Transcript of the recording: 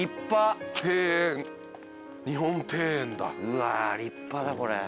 うわ立派だこれ。